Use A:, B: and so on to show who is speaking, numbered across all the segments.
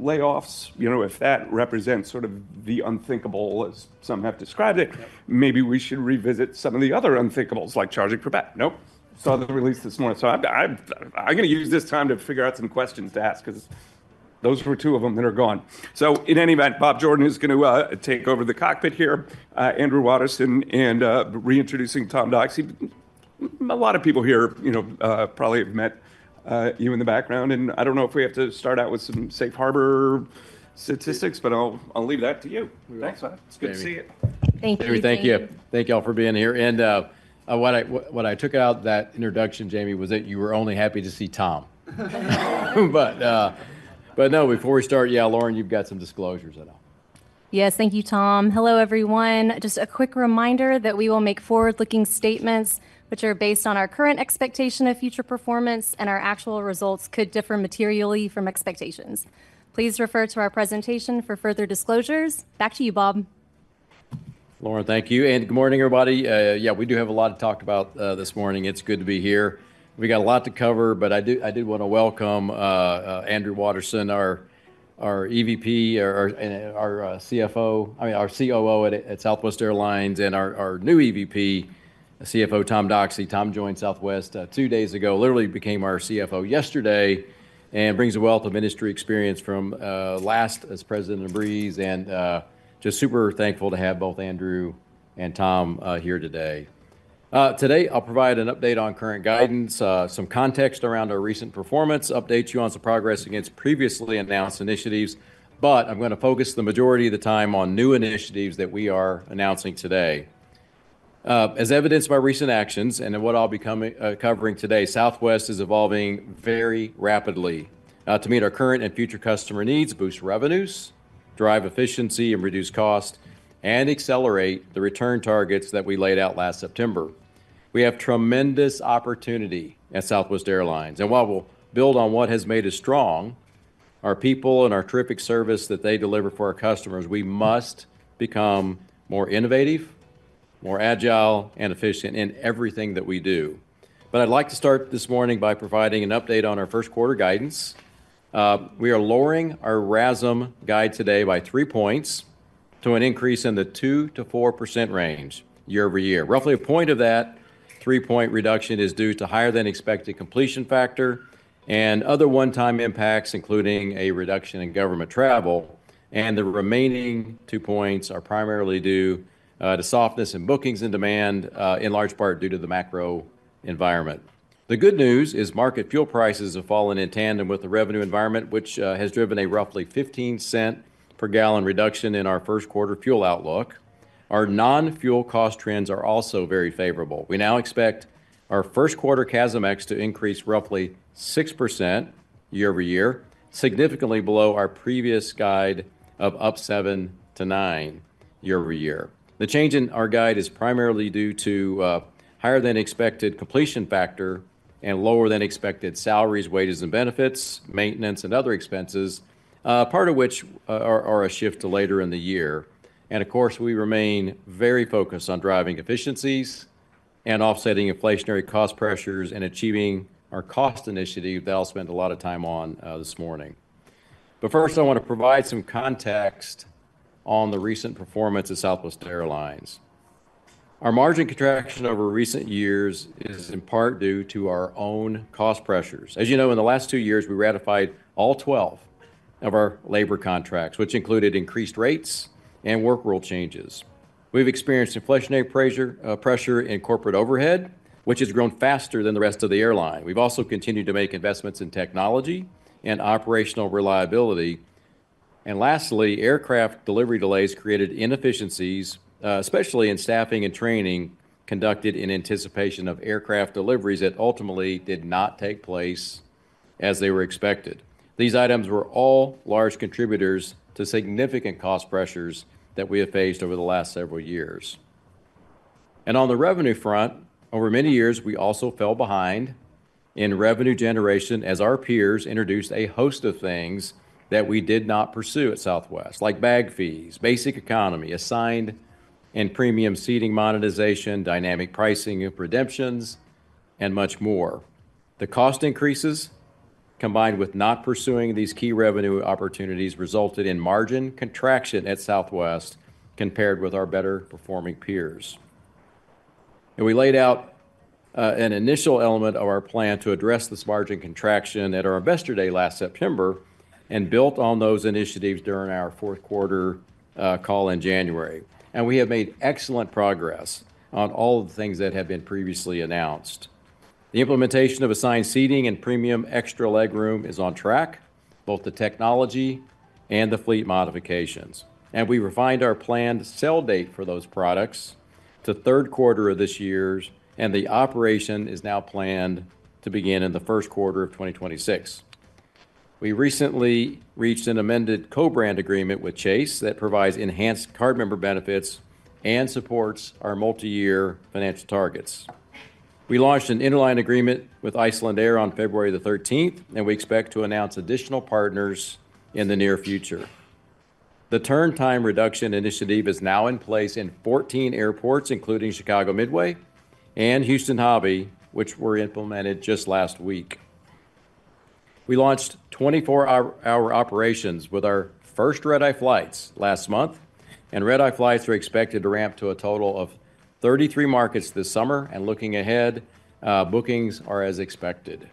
A: In any event, Bob Jordan is gonna take over the cockpit here, Andrew Watterson, and reintroducing Tom Doxey. A lot of people here, you know, probably have met you in the background, and I don't know if we have to start out with some safe harbor statistics, but I'll leave that to you.
B: Thanks, bud.
A: It's good to see you.
C: Thank you.
D: Thank you. Thank y'all for being here. What I took out of that introduction, Jamie, was that you were only happy to see Tom. Before we start, Lauren, you've got some disclosures at all.
C: Yes, thank you, Tom. Hello, everyone. Just a quick reminder that we will make forward-looking statements which are based on our current expectation of future performance, and our actual results could differ materially from expectations. Please refer to our presentation for further disclosures. Back to you, Bob.
B: Lauren, thank you. Good morning, everybody. Yeah, we do have a lot to talk about this morning. It's good to be here. We got a lot to cover, but I do, I did want to welcome Andrew Watterson, our EVP, our CFO, I mean, our COO at Southwest Airlines, and our new EVP, CFO Tom Doxey. Tom joined Southwest two days ago, literally became our CFO yesterday, and brings a wealth of industry experience from last as president of Breeze. Just super thankful to have both Andrew and Tom here today. Today I'll provide an update on current guidance, some context around our recent performance, update you on some progress against previously announced initiatives, but I'm going to focus the majority of the time on new initiatives that we are announcing today. As evidenced by recent actions and what I'll be covering today, Southwest is evolving very rapidly to meet our current and future customer needs, boost revenues, drive efficiency, reduce cost, and accelerate the return targets that we laid out last September. We have tremendous opportunity at Southwest Airlines. While we'll build on what has made us strong, our people and our terrific service that they deliver for our customers, we must become more innovative, more agile, and efficient in everything that we do. I'd like to start this morning by providing an update on our first quarter guidance. We are lowering our RASM guide today by three points to an increase in the 2%-4% range year over year. Roughly a point of that three-point reduction is due to higher-than-expected completion factor and other one-time impacts, including a reduction in government travel. The remaining two points are primarily due to softness in bookings and demand, in large part due to the macro environment. The good news is market fuel prices have fallen in tandem with the revenue environment, which has driven a roughly $0.15 per gallon reduction in our first quarter fuel outlook. Our non-fuel cost trends are also very favorable. We now expect our first quarter CASM-ex to increase roughly 6% year over year, significantly below our previous guide of up 7-9% year over year. The change in our guide is primarily due to higher-than-expected completion factor and lower-than-expected salaries, wages, and benefits, maintenance, and other expenses, part of which are a shift to later in the year. Of course, we remain very focused on driving efficiencies and offsetting inflationary cost pressures and achieving our cost initiative that I'll spend a lot of time on this morning. First, I wanna provide some context on the recent performance of Southwest Airlines. Our margin contraction over recent years is in part due to our own cost pressures. As you know, in the last two years, we ratified all 12 of our labor contracts, which included increased rates and work rule changes. We've experienced inflationary pressure, pressure in corporate overhead, which has grown faster than the rest of the airline. We've also continued to make investments in technology and operational reliability. Lastly, aircraft delivery delays created inefficiencies, especially in staffing and training conducted in anticipation of aircraft deliveries that ultimately did not take place as they were expected. These items were all large contributors to significant cost pressures that we have faced over the last several years. On the revenue front, over many years, we also fell behind in revenue generation as our peers introduced a host of things that we did not pursue at Southwest, like bag fees, basic economy, assigned and premium seating monetization, dynamic pricing of redemptions, and much more. The cost increases, combined with not pursuing these key revenue opportunities, resulted in margin contraction at Southwest compared with our better-performing peers. We laid out an initial element of our plan to address this margin contraction at our investor day last September and built on those initiatives during our fourth quarter call in January. We have made excellent progress on all of the things that have been previously announced. The implementation of assigned seating and premium extra legroom is on track, both the technology and the fleet modifications. We refined our planned sale date for those products to third quarter of this year, and the operation is now planned to begin in the first quarter of 2026. We recently reached an amended co-brand agreement with Chase that provides enhanced card member benefits and supports our multi-year financial targets. We launched an interline agreement with Icelandair on February 13, and we expect to announce additional partners in the near future. The turn time reduction initiative is now in place in 14 airports, including Chicago Midway and Houston Hobby, which were implemented just last week. We launched 24-hour operations with our first red-eye flights last month, and red-eye flights are expected to ramp to a total of 33 markets this summer. Looking ahead, bookings are as expected.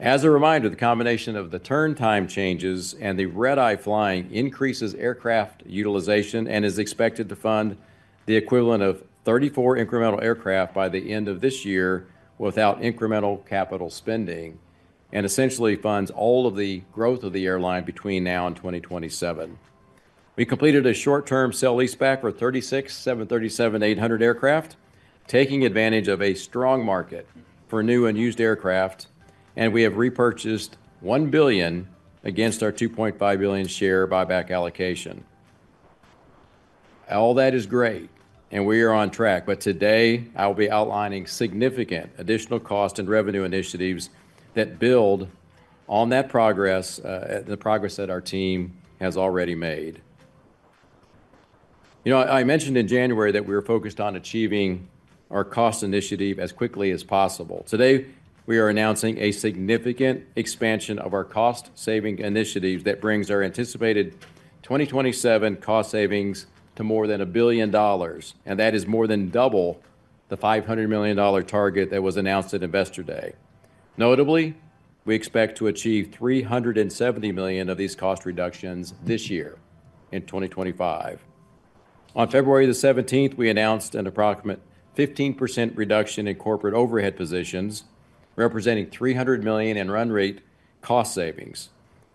B: As a reminder, the combination of the turn time changes and the red-eye flying increases aircraft utilization and is expected to fund the equivalent of 34 incremental aircraft by the end of this year without incremental capital spending, and essentially funds all of the growth of the airline between now and 2027. We completed a short-term sale-leaseback for 36 737-800 aircraft, taking advantage of a strong market for new and used aircraft, and we have repurchased $1 billion against our $2.5 billion share buyback allocation. All that is great, and we are on track, but today I'll be outlining significant additional cost and revenue initiatives that build on that progress, the progress that our team has already made. You know, I mentioned in January that we were focused on achieving our cost initiative as quickly as possible. Today, we are announcing a significant expansion of our cost-saving initiatives that brings our anticipated 2027 cost savings to more than $1 billion, and that is more than double the $500 million target that was announced at investor day. Notably, we expect to achieve $370 million of these cost reductions this year in 2025. On February 17, we announced an approximate 15% reduction in corporate overhead positions, representing $300 million in run rate cost savings.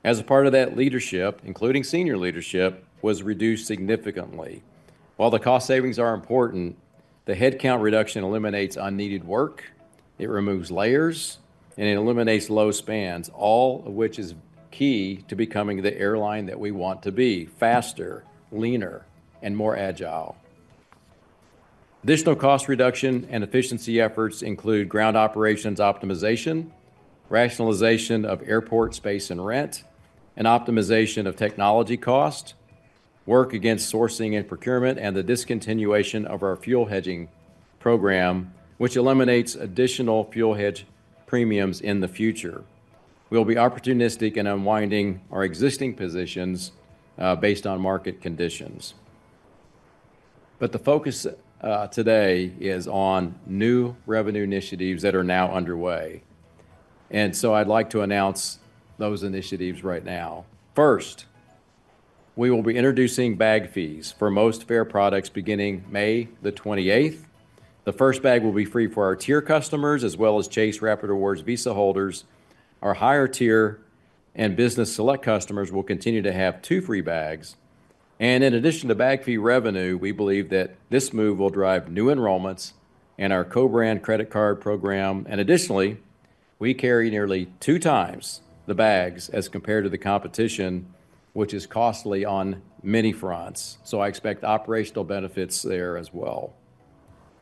B: As a part of that, leadership, including senior leadership, was reduced significantly. While the cost savings are important, the headcount reduction eliminates unneeded work, it removes layers, and it eliminates low spans, all of which is key to becoming the airline that we want to be: faster, leaner, and more agile. Additional cost reduction and efficiency efforts include ground operations optimization, rationalization of airport space and rent, and optimization of technology cost, work against sourcing and procurement, and the discontinuation of our fuel hedging program, which eliminates additional fuel hedge premiums in the future. We'll be opportunistic in unwinding our existing positions, based on market conditions. The focus today is on new revenue initiatives that are now underway. I would like to announce those initiatives right now. First, we will be introducing bag fees for most fare products beginning May the 28th. The first bag will be free for our tier customers as well as Chase Rapid Rewards Visa holders. Our higher tier and Business Select customers will continue to have two free bags. In addition to bag fee revenue, we believe that this move will drive new enrollments in our co-brand credit card program. Additionally, we carry nearly two times the bags as compared to the competition, which is costly on many fronts. I expect operational benefits there as well.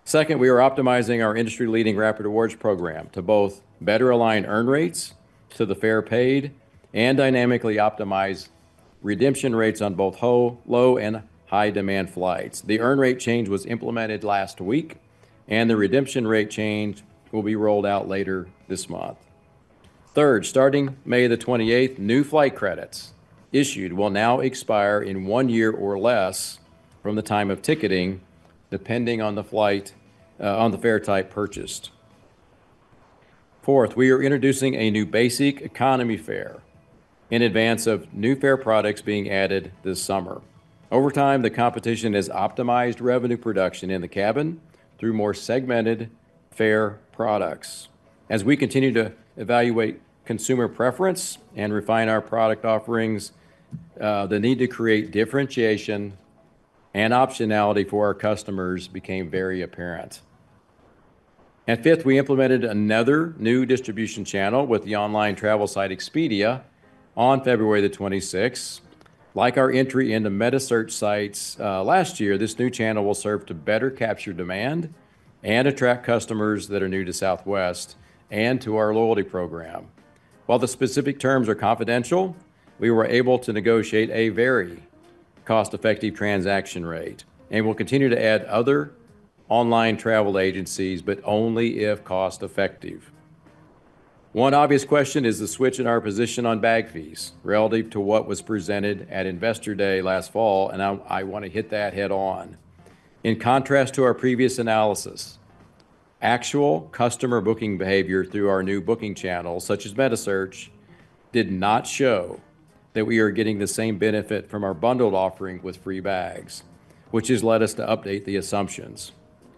B: Second, we are optimizing our industry-leading Rapid Rewards program to both better align earn rates to the fare paid and dynamically optimize redemption rates on both low and high-demand flights. The earn rate change was implemented last week, and the redemption rate change will be rolled out later this month. Third, starting May the 28th, new flight credits issued will now expire in one year or less from the time of ticketing, depending on the flight, on the fare type purchased. Fourth, we are introducing a new Basic Economy fare in advance of new fare products being added this summer. Over time, the competition has optimized revenue production in the cabin through more segmented fare products. As we continue to evaluate consumer preference and refine our product offerings, the need to create differentiation and optionality for our customers became very apparent. Fifth, we implemented another new distribution channel with the online travel site Expedia on February 26. Like our entry into metasearch sites last year, this new channel will serve to better capture demand and attract customers that are new to Southwest and to our loyalty program. While the specific terms are confidential, we were able to negotiate a very cost-effective transaction rate, and we'll continue to add other online travel agencies, but only if cost-effective. One obvious question is the switch in our position on bag fees, relative to what was presented at investor day last fall, and I want to hit that head-on. In contrast to our previous analysis, actual customer booking behavior through our new booking channel, such as metasearch, did not show that we are getting the same benefit from our bundled offering with free bags, which has led us to update the assumptions.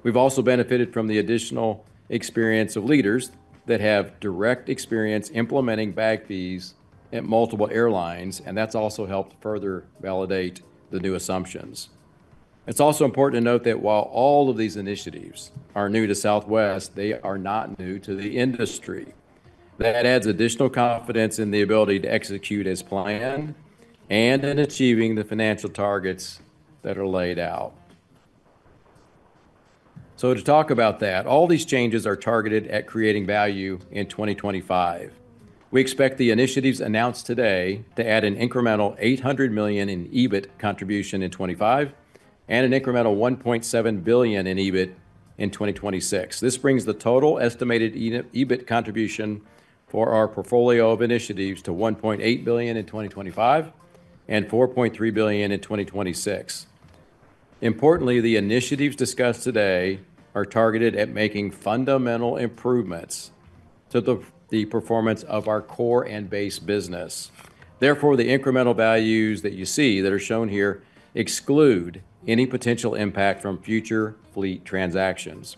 B: We've also benefited from the additional experience of leaders that have direct experience implementing bag fees at multiple airlines, and that's also helped further validate the new assumptions. It's also important to note that while all of these initiatives are new to Southwest, they are not new to the industry. That adds additional confidence in the ability to execute as planned and in achieving the financial targets that are laid out. All these changes are targeted at creating value in 2025. We expect the initiatives announced today to add an incremental $800 million in EBIT contribution in 2025 and an incremental $1.7 billion in EBIT in 2026. This brings the total estimated EBIT contribution for our portfolio of initiatives to $1.8 billion in 2025 and $4.3 billion in 2026. Importantly, the initiatives discussed today are targeted at making fundamental improvements to the performance of our core and base business. Therefore, the incremental values that you see that are shown here exclude any potential impact from future fleet transactions.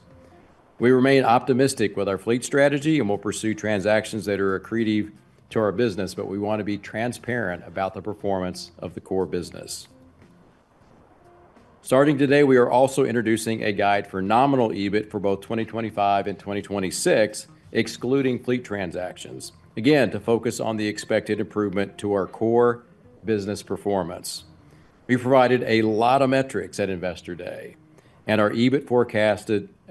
B: We remain optimistic with our fleet strategy, and we'll pursue transactions that are accretive to our business, but we want to be transparent about the performance of the core business. Starting today, we are also introducing a guide for nominal EBIT for both 2025 and 2026, excluding fleet transactions, again, to focus on the expected improvement to our core business performance. We provided a lot of metrics at investor day, and our EBIT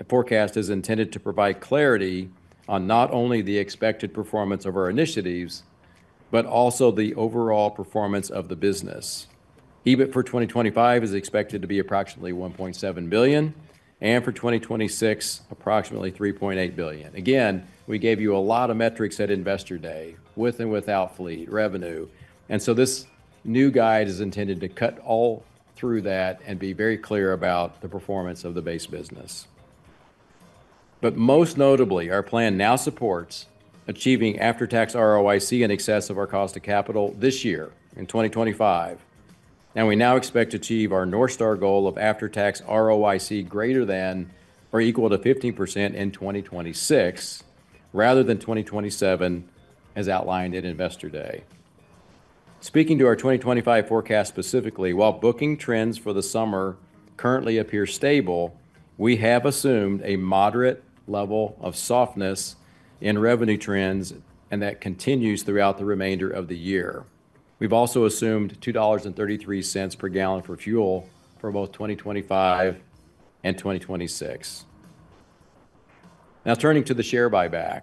B: forecast is intended to provide clarity on not only the expected performance of our initiatives, but also the overall performance of the business. EBIT for 2025 is expected to be approximately $1.7 billion, and for 2026, approximately $3.8 billion. Again, we gave you a lot of metrics at investor day with and without fleet revenue. This new guide is intended to cut all through that and be very clear about the performance of the base business. Most notably, our plan now supports achieving after-tax ROIC in excess of our cost of capital this year in 2025. We now expect to achieve our North Star goal of after-tax ROIC greater than or equal to 15% in 2026, rather than 2027, as outlined at investor day. Speaking to our 2025 forecast specifically, while booking trends for the summer currently appear stable, we have assumed a moderate level of softness in revenue trends, and that continues throughout the remainder of the year. We've also assumed $2.33 per gallon for fuel for both 2025 and 2026. Now, turning to the share buyback,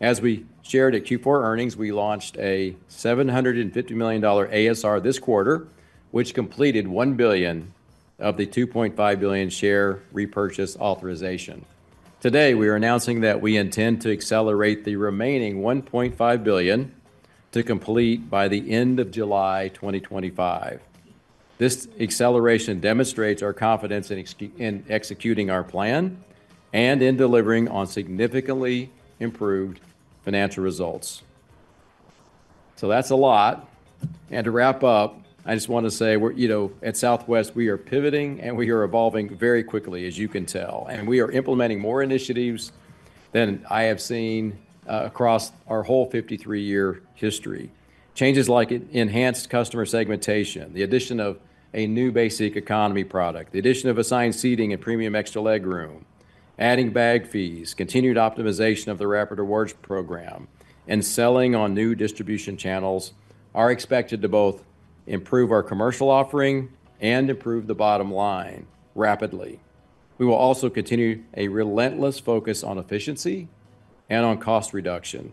B: as we shared at Q4 earnings, we launched a $750 million ASR this quarter, which completed $1 billion of the $2.5 billion share repurchase authorization. Today, we are announcing that we intend to accelerate the remaining $1.5 billion to complete by the end of July 2025. This acceleration demonstrates our confidence in executing our plan and in delivering on significantly improved financial results. That is a lot. To wrap up, I just wanna say we're, you know, at Southwest, we are pivoting and we are evolving very quickly, as you can tell. We are implementing more initiatives than I have seen, across our whole 53-year history. Changes like enhanced customer segmentation, the addition of a new Basic Economy product, the addition of assigned seating and premium extra legroom, adding bag fees, continued optimization of the Rapid Rewards program, and selling on new distribution channels are expected to both improve our commercial offering and improve the bottom line rapidly. We will also continue a relentless focus on efficiency and on cost reduction.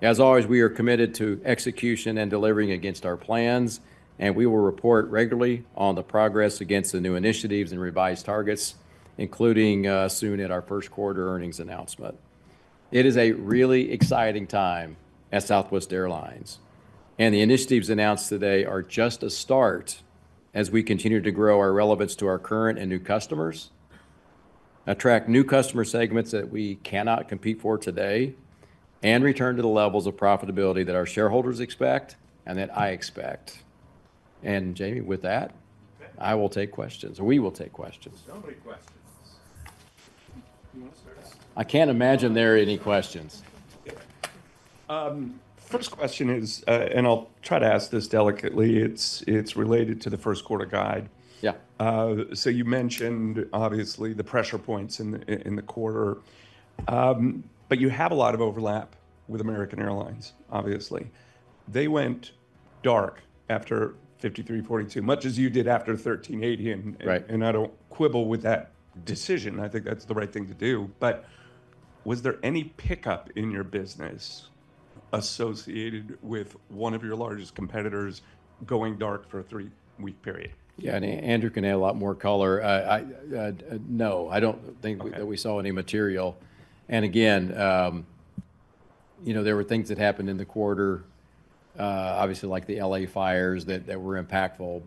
B: As always, we are committed to execution and delivering against our plans, and we will report regularly on the progress against the new initiatives and revised targets, including, soon in our first quarter earnings announcement. It is a really exciting time at Southwest Airlines, and the initiatives announced today are just a start as we continue to grow our relevance to our current and new customers, attract new customer segments that we cannot compete for today, and return to the levels of profitability that our shareholders expect and that I expect. Jamie, with that, I will take questions, or we will take questions. I can't imagine there are any questions.
A: First question is, and I'll try to ask this delicately. It's related to the first quarter guide. Yeah, you mentioned, obviously, the pressure points in the quarter, but you have a lot of overlap with American Airlines, obviously. They went dark after 5342, much as you did after 1380. I don't quibble with that decision. I think that's the right thing to do. Was there any pickup in your business associated with one of your largest competitors going dark for a three-week period?
B: Yeah, and Andrew can add a lot more color. I, no, I don't think that we saw any material. You know, there were things that happened in the quarter, obviously like the L.A. fires that were impactful.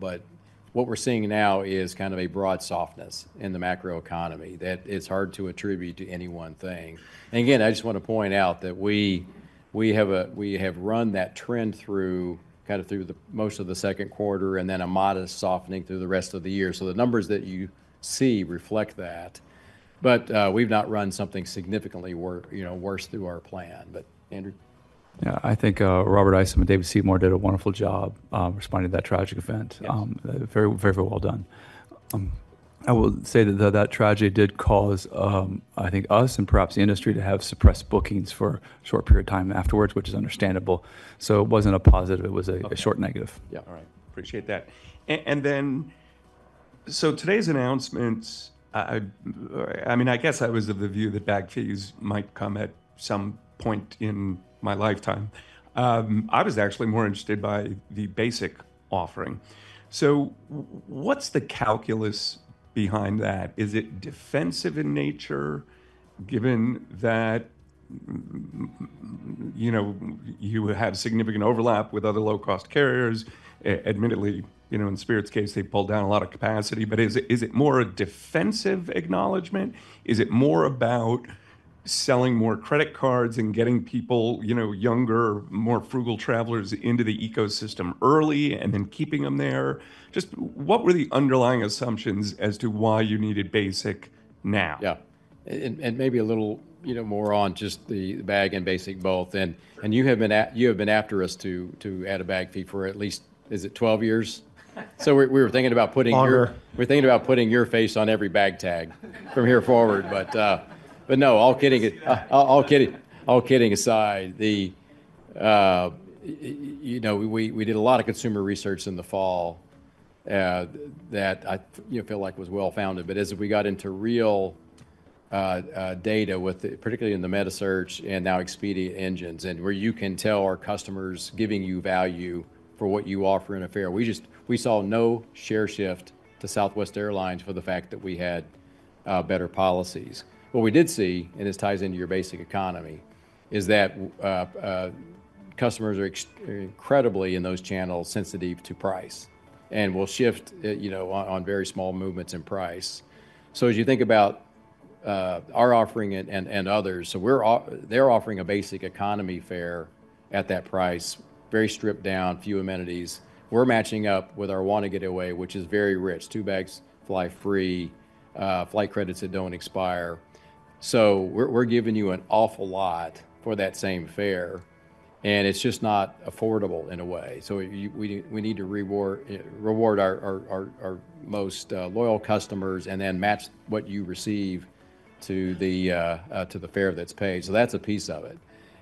B: What we're seeing now is kind of a broad softness in the macro economy that it's hard to attribute to any one thing. I just want to point out that we have run that trend through most of the second quarter and then a modest softening through the rest of the year. The numbers that you see reflect that. We've not run something significantly worse, you know, worse through our plan. Andrew,
E: I think Robert Isom and David Seymour did a wonderful job, responding to that tragic event. Very, very, very well done. I will say that, though, that tragedy did cause, I think us and perhaps the industry to have suppressed bookings for a short period of time afterwards, which is understandable. It was not a positive. It was a short negative.
A: All right. Appreciate that. Today's announcement, I mean, I guess I was of the view that bag fees might come at some point in my lifetime. I was actually more interested by the basic offering. What's the calculus behind that? Is it defensive in nature, given that, you know, you have significant overlap with other low-cost carriers? Admittedly, you know, in Spirit's case, they pulled down a lot of capacity. Is it more a defensive acknowledgement? Is it more about selling more credit cards and getting people, you know, younger, more frugal travelers into the ecosystem early and then keeping them there? Just what were the underlying assumptions as to why you needed basic now?
B: Yeah. Maybe a little, you know, more on just the bag and basic both. You have been after us to add a bag fee for at least, is it 12 years? We were thinking about putting your, we're thinking about putting your face on every bag tag from here forward. All kidding. All kidding. All kidding aside, you know, we did a lot of consumer research in the fall that I feel like was well-founded. As we got into real data with the, particularly in the metasearch and now Expedia engines and where you can tell our customers giving you value for what you offer in a fare, we just saw no share shift to Southwest Airlines for the fact that we had better policies. What we did see, and this ties into your basic economy, is that customers are incredibly in those channels sensitive to price and will shift, you know, on very small movements in price. As you think about our offering and others, they're offering a basic economy fare at that price, very stripped down, few amenities. We're matching up with our Wanna Get Away, which is very rich, two bags fly free, flight credits that don't expire. We're giving you an awful lot for that same fare, and it's just not affordable in a way. We need to reward our most loyal customers and then match what you receive to the fare that's paid. That's a piece of it.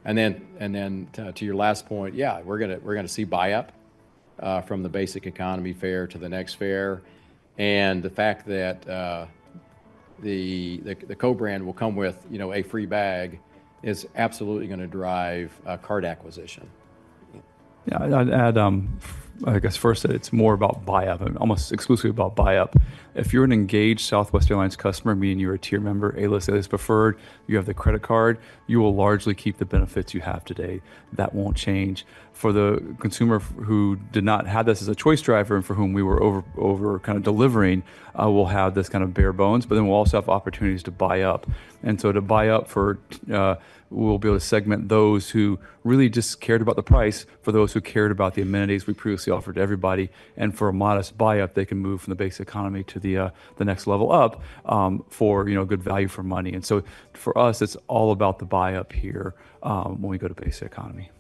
B: To your last point, yeah, we're gonna see buy up from the basic economy fare to the next fare. The fact that the co-brand will come with, you know, a free bag is absolutely gonna drive a card acquisition.
E: Yeah. I'd add, I guess first that it's more about buy up, almost exclusively about buy up. If you're an engaged Southwest Airlines customer, meaning you're a tier member, A-List, A-List Preferred, you have the credit card, you will largely keep the benefits you have today. That won't change. For the consumer who did not have this as a choice driver and for whom we were over, over kind of delivering, we'll have this kind of bare bones, but then we'll also have opportunities to buy up. To buy up for, we'll be able to segment those who really just cared about the price from those who cared about the amenities we previously offered to everybody. For a modest buy up, they can move from the Basic Economy to the next level up, for, you know, good value for money. For us, it's all about the buy up here, when we go to Basic Economy.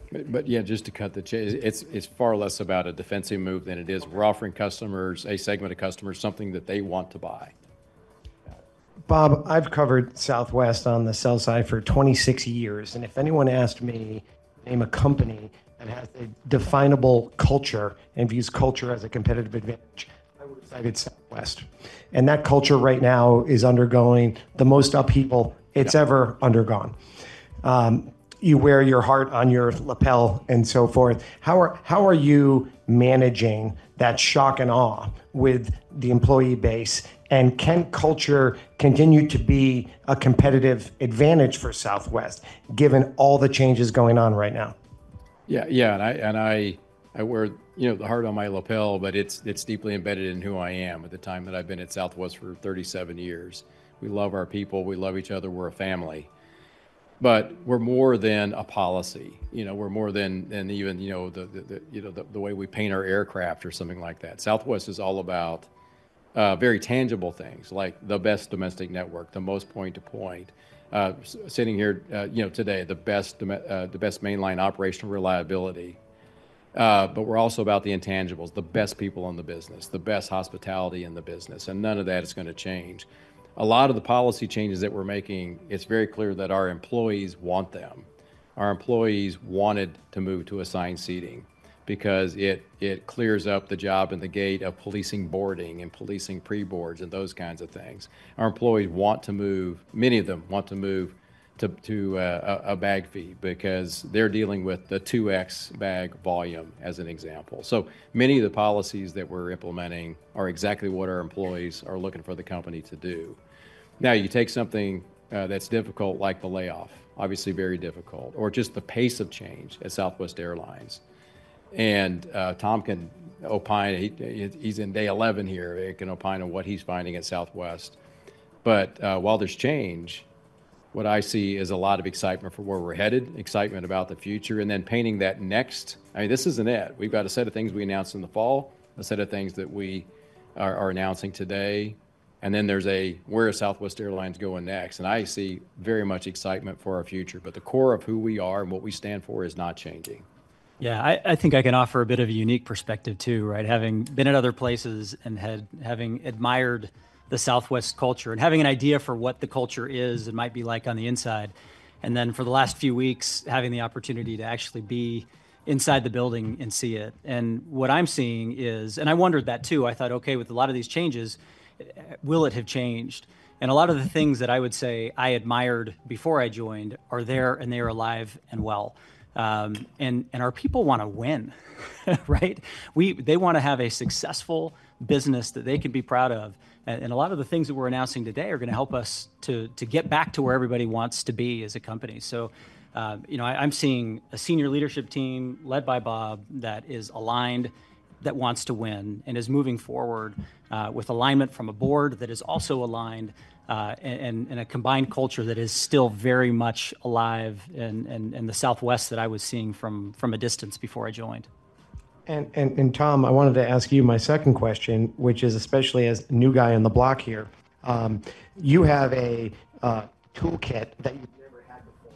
B: Yeah, just to cut the chain, it's far less about a defensive move than it is. We're offering customers, a segment of customers, something that they want to buy.
A: Got it. Bob, I've covered Southwest on the sell side for 26 years. And if anyone asked me to name a company that has a definable culture and views culture as a competitive advantage, I would have cited Southwest. And that culture right now is undergoing the most upheaval it's ever undergone. You wear your heart on your lapel and so forth. How are you managing that shock and awe with the employee base? And can culture continue to be a competitive advantage for Southwest given all the changes going on right now?
B: Yeah. Yeah. I wear, you know, the heart on my lapel, but it's deeply embedded in who I am at the time that I've been at Southwest for 37 years. We love our people. We love each other. We're a family. We are more than a policy. We are more than, than even, you know, the way we paint our aircraft or something like that. Southwest is all about very tangible things like the best domestic network, the most point to point, sitting here, you know, today, the best mainline operational reliability. We are also about the intangibles, the best people in the business, the best hospitality in the business. None of that is gonna change. A lot of the policy changes that we're making, it's very clear that our employees want them. Our employees wanted to move to assigned seating because it clears up the job at the gate of policing boarding and policing pre-boards and those kinds of things. Our employees want to move, many of them want to move to a bag fee because they're dealing with the 2X bag volume as an example. Many of the policies that we're implementing are exactly what our employees are looking for the company to do. You take something that's difficult like the layoff, obviously very difficult, or just the pace of change at Southwest Airlines. Tom can opine, he's in day 11 here, and can opine on what he's finding at Southwest. While there's change, what I see is a lot of excitement for where we're headed, excitement about the future, and then painting that next. I mean, this isn't it. We've got a set of things we announced in the fall, a set of things that we are announcing today. There is a, where is Southwest Airlines going next? I see very much excitement for our future, but the core of who we are and what we stand for is not changing.
E: Yeah. I think I can offer a bit of a unique perspective too, right? Having been at other places and having admired the Southwest culture and having an idea for what the culture is, it might be like on the inside. For the last few weeks, having the opportunity to actually be inside the building and see it. What I'm seeing is, and I wondered that too, I thought, okay, with a lot of these changes, will it have changed? A lot of the things that I would say I admired before I joined are there and they are alive and well. Our people wanna win, right? They wanna have a successful business that they can be proud of. A lot of the things that we're announcing today are gonna help us to get back to where everybody wants to be as a company. You know, I'm seeing a senior leadership team led by Bob that is aligned, that wants to win and is moving forward, with alignment from a board that is also aligned, and a combined culture that is still very much alive in the Southwest that I was seeing from a distance before I joined.
A: Tom, I wanted to ask you my second question, which is especially as new guy on the block here. You have a toolkit that you've never had before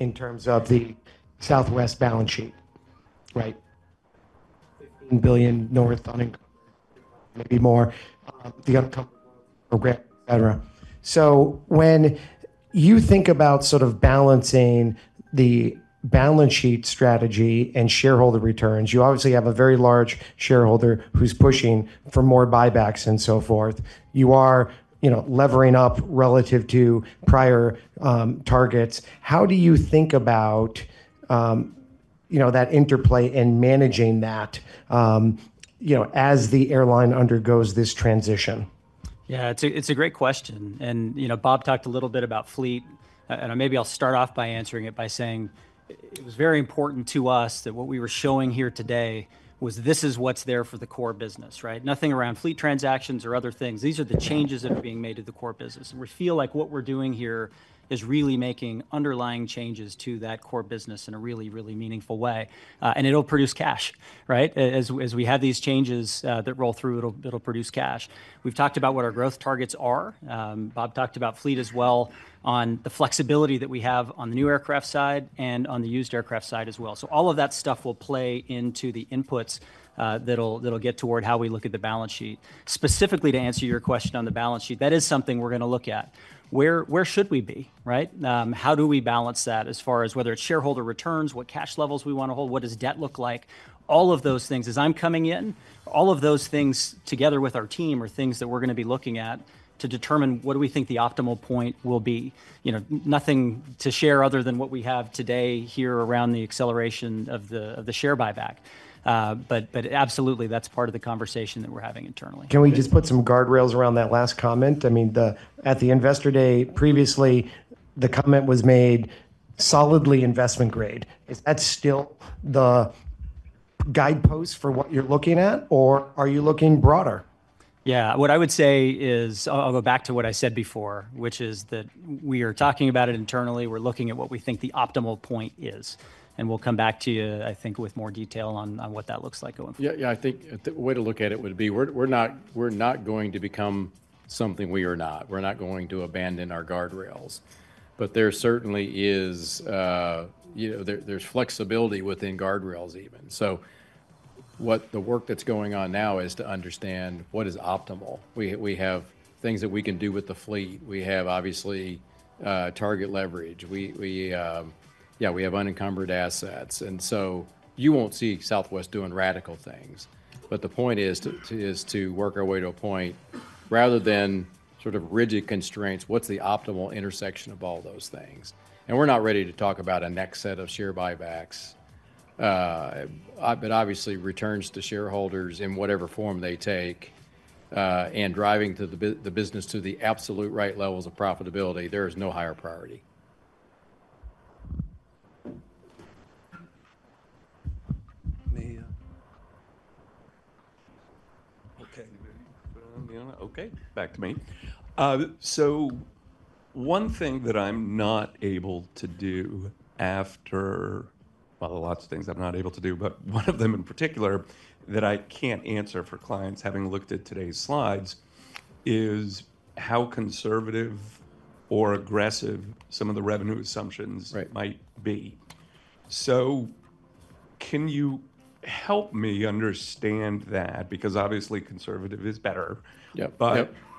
A: in terms of the Southwest balance sheet, right? $15 billion north on income, maybe more, the unencumbered program, et cetera. When you think about sort of balancing the balance sheet strategy and shareholder returns, you obviously have a very large shareholder who's pushing for more buybacks and so forth. You are, you know, levering up relative to prior targets. How do you think about, you know, that interplay and managing that, you know, as the airline undergoes this transition?
D: Yeah, it's a great question. You know, Bob talked a little bit about fleet, and maybe I'll start off by answering it by saying it was very important to us that what we were showing here today was this is what's there for the core business, right? Nothing around fleet transactions or other things. These are the changes that are being made to the core business. We feel like what we're doing here is really making underlying changes to that core business in a really, really meaningful way. It'll produce cash, right? As we have these changes that roll through, it'll produce cash. We've talked about what our growth targets are. Bob talked about fleet as well on the flexibility that we have on the new aircraft side and on the used aircraft side as well. All of that stuff will play into the inputs, that'll get toward how we look at the balance sheet. Specifically to answer your question on the balance sheet, that is something we're gonna look at. Where should we be, right? How do we balance that as far as whether it's shareholder returns, what cash levels we wanna hold, what does debt look like? All of those things, as I'm coming in, all of those things together with our team are things that we're gonna be looking at to determine what do we think the optimal point will be. You know, nothing to share other than what we have today here around the acceleration of the share buyback. Absolutely that's part of the conversation that we're having internally.
A: Can we just put some guardrails around that last comment? I mean, at the investor day previously, the comment was made solidly investment grade. Is that still the guidepost for what you're looking at, or are you looking broader?
D: Yeah. What I would say is, I'll go back to what I said before, which is that we are talking about it internally. We're looking at what we think the optimal point is, and we'll come back to you, I think, with more detail on what that looks like going forward.
B: Yeah. I think the way to look at it would be we're not going to become something we are not. We're not going to abandon our guardrails, but there certainly is, you know, there's flexibility within guardrails even. What the work that's going on now is to understand what is optimal. We have things that we can do with the fleet. We have obviously target leverage. We, we have unencumbered assets. And so you will not see Southwest doing radical things. The point is to work our way to a point rather than sort of rigid constraints, what is the optimal intersection of all those things? We are not ready to talk about a next set of share buybacks, but obviously returns to shareholders in whatever form they take, and driving the business to the absolute right levels of profitability, there is no higher priority.
A: Okay. Okay. Back to me. One thing that I am not able to do after, well, lots of things I am not able to do, but one of them in particular that I cannot answer for clients having looked at today's slides is how conservative or aggressive some of the revenue assumptions might be. Can you help me understand that? Because obviously conservative is better. Yeah.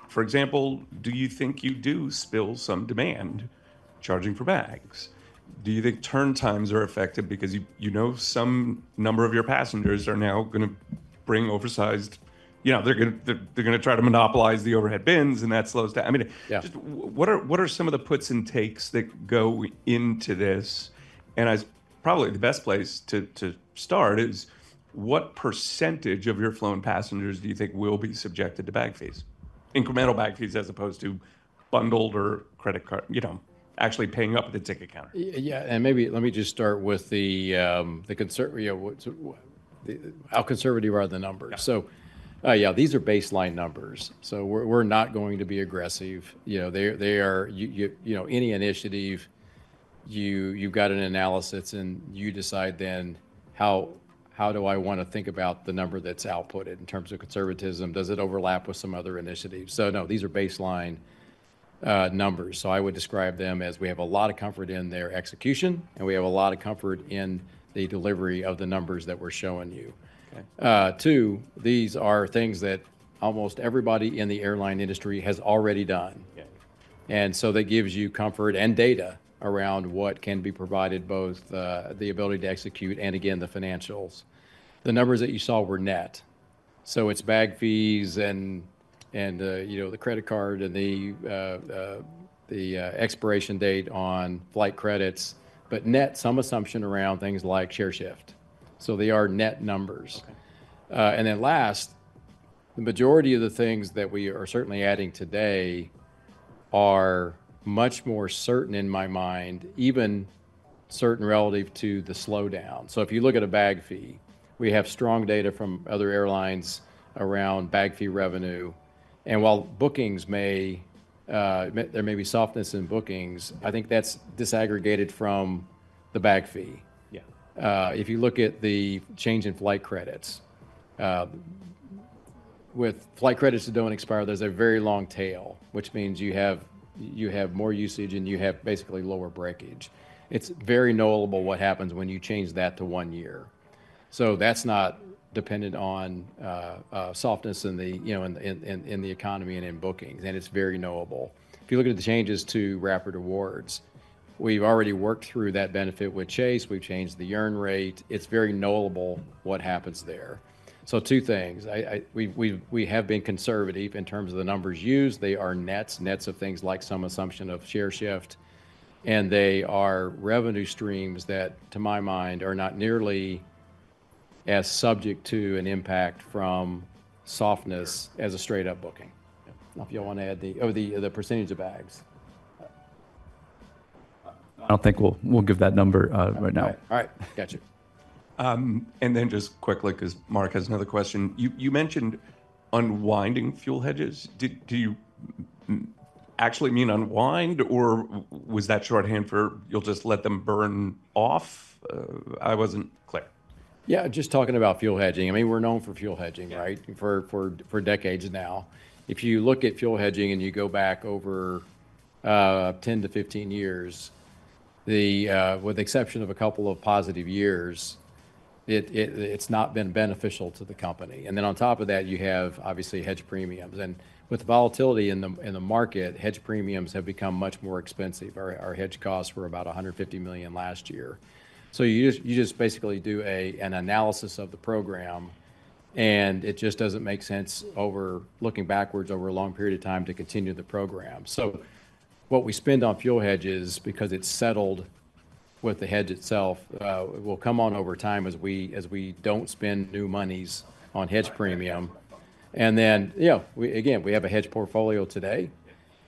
A: For example, do you think you do spill some demand charging for bags? Do you think turn times are affected because you, you know, some number of your passengers are now gonna bring oversized, you know, they're gonna, they're gonna try to monopolize the overhead bins and that slows down. I mean, just what are, what are some of the puts and takes that go into this? I probably the best place to start is what percentage of your flown passengers do you think will be subjected to bag fees, incremental bag fees as opposed to bundled or credit card, you know, actually paying up at the ticket counter?
B: Yeah. Maybe let me just start with the conserv, you know, what's the, how conservative are the numbers? Yeah, these are baseline numbers. We're not going to be aggressive. You know, they are, you know, any initiative, you have got an analysis and you decide then how do I want to think about the number that's outputted in terms of conservatism? Does it overlap with some other initiatives? No, these are baseline numbers. I would describe them as we have a lot of comfort in their execution and we have a lot of comfort in the delivery of the numbers that we're showing you. Two, these are things that almost everybody in the airline industry has already done. That gives you comfort and data around what can be provided, both the ability to execute and again, the financials. The numbers that you saw were net. It's bag fees and, you know, the credit card and the expiration date on flight credits, but net, some assumption around things like share shift. They are net numbers. Last, the majority of the things that we are certainly adding today are much more certain in my mind, even certain relative to the slowdown. If you look at a bag fee, we have strong data from other airlines around bag fee revenue. While bookings may, there may be softness in bookings, I think that's disaggregated from the bag fee. If you look at the change in flight credits, with flight credits that do not expire, there's a very long tail, which means you have more usage and you have basically lower breakage. It's very knowable what happens when you change that to one year. That's not dependent on softness in the, you know, in the economy and in bookings. It's very knowable. If you look at the changes to Rapid Rewards, we've already worked through that benefit with Chase. We've changed the earn rate. It's very knowable what happens there. Two things, I, we have been conservative in terms of the numbers used. They are nets, nets of things like some assumption of share shift, and they are revenue streams that to my mind are not nearly as subject to an impact from softness as a straight up booking. If you all want to add the, or the, the percentage of bags, I don't think we'll give that number right now.
A: All right. Gotcha. And then just quickly, because Mark has another question. You mentioned unwinding fuel hedges. Did, do you actually mean unwind or was that shorthand for, you'll just let them burn off? I wasn't clear.
B: Yeah. Just talking about fuel hedging. I mean, we're known for fuel hedging, right? For decades now. If you look at fuel hedging and you go back over 10-15 years, with the exception of a couple of positive years, it's not been beneficial to the company. On top of that, you have obviously hedge premiums. With volatility in the market, hedge premiums have become much more expensive. Our hedge costs were about $150 million last year. You just basically do an analysis of the program and it just doesn't make sense looking backwards over a long period of time to continue the program. What we spend on fuel hedges, because it's settled with the hedge itself, will come on over time as we, as we don't spend new monies on hedge premium. And then, yeah, we, again, we have a hedge portfolio today.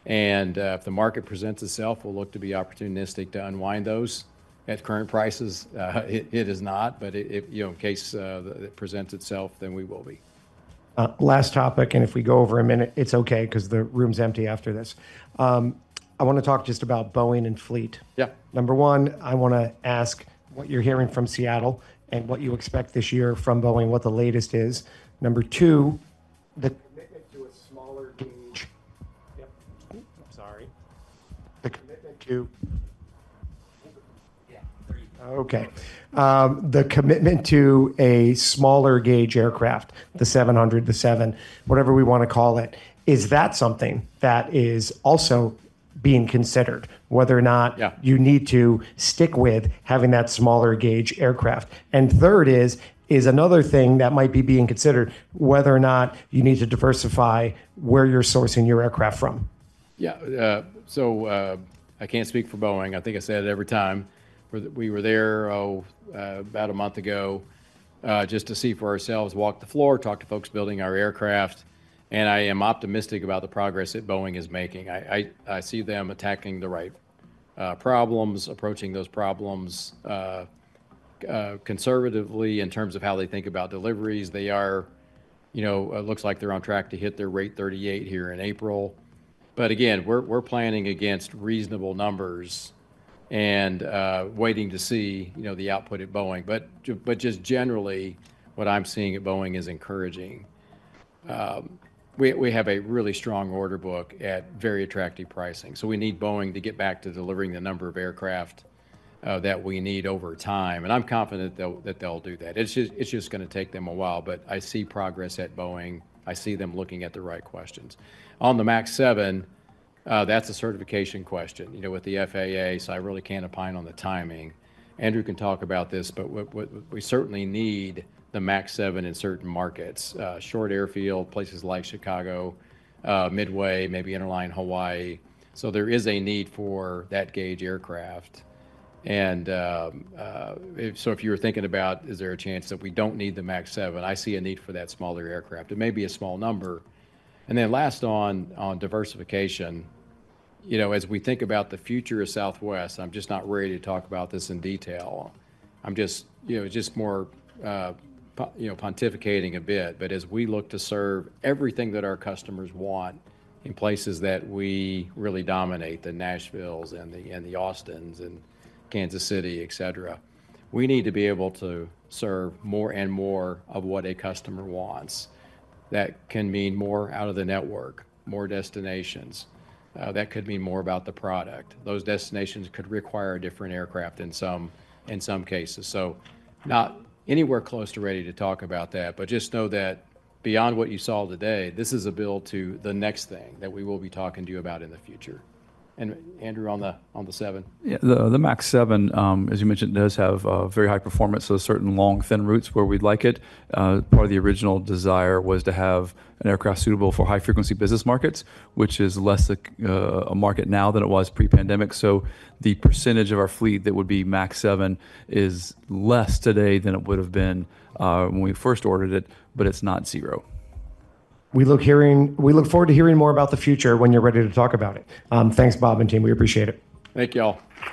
B: And, if the market presents itself, we'll look to be opportunistic to unwind those at current prices. It is not, but it, you know, in case that it presents itself, then we will be.
A: Last topic. If we go over a minute, it's okay 'cause the room's empty after this. I wanna talk just about Boeing and fleet. Yeah. Number one, I wanna ask what you're hearing from Seattle and what you expect this year from Boeing, what the latest is. Number two, the commitment to a smaller gauge. Yep. I'm sorry. The commitment to, yeah. Okay. The commitment to a smaller gauge aircraft, the 700, the seven, whatever we wanna call it, is that something that is also being considered whether or not you need to stick with having that smaller gauge aircraft? Third, is another thing that might be being considered whether or not you need to diversify where you're sourcing your aircraft from?
B: Yeah. I can't speak for Boeing. I think I said it every time we were there, about a month ago, just to see for ourselves, walk the floor, talk to folks building our aircraft. I am optimistic about the progress that Boeing is making. I see them attacking the right problems, approaching those problems conservatively in terms of how they think about deliveries. They are, you know, it looks like they're on track to hit their rate 38 here in April. We're planning against reasonable numbers and waiting to see, you know, the output at Boeing. Just generally what I'm seeing at Boeing is encouraging. We have a really strong order book at very attractive pricing. We need Boeing to get back to delivering the number of aircraft that we need over time. I'm confident that they'll do that. It's just gonna take them a while, but I see progress at Boeing. I see them looking at the right questions on the MAX 7. That's a certification question, you know, with the FAA. I really can't opine on the timing. Andrew can talk about this, but we certainly need the MAX 7 in certain markets, short airfield places like Chicago Midway, maybe interline Hawaii. There is a need for that gauge aircraft. If you were thinking about, is there a chance that we don't need the MAX 7, I see a need for that smaller aircraft. It may be a small number. Last, on diversification, as we think about the future of Southwest, I'm just not ready to talk about this in detail. I'm just, you know, it's just more, you know, pontificating a bit. As we look to serve everything that our customers want in places that we really dominate, the Nashvilles and the Austins and Kansas City, et cetera, we need to be able to serve more and more of what a customer wants. That can mean more out of the network, more destinations. That could be more about the product. Those destinations could require a different aircraft in some cases. Not anywhere close to ready to talk about that, but just know that beyond what you saw today, this is a build to the next thing that we will be talking to you about in the future. Andrew, on the seven.
E: Yeah. The MAX 7, as you mentioned, does have very high performance on certain long, thin routes where we'd like it. Part of the original desire was to have an aircraft suitable for high frequency business markets, which is less a market now than it was pre-pandemic. The percentage of our fleet that would be MAX 7 is less today than it would have been when we first ordered it, but it's not zero.
A: We look forward to hearing more about the future when you're ready to talk about it. Thanks Bob and team. We appreciate it. Thank y'all.